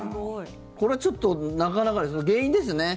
これはちょっと、なかなかその原因ですよね。